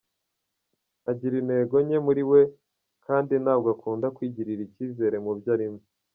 Agira intego nke muri we kandi ntabwo akunda kwigirira icyizere mu byo arimo.